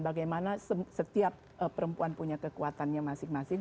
bagaimana setiap perempuan punya kekuatannya masing masing